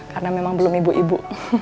karena memang belum ibu ibu